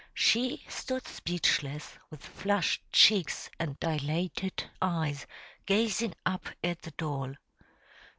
She stood speechless, with flushed cheeks and dilated eyes, gazing up at the doll.